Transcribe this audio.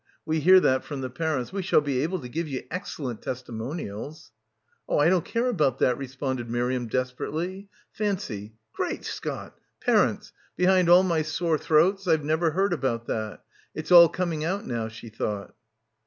We hear that from the parents. We shall be able to give ye excellent testimonials." "Oh, I don't care about that," responded Miriam desperately. Taney — Great Scott — par ents — behind all my sore throats — Pve never heard about that. It's all coming out now/ she thought.